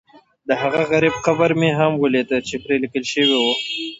دهغه غریب قبر مې هم ولیده چې پرې لیکل شوي و.